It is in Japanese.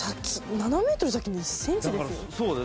７ｍ先の１ｃｍですよ？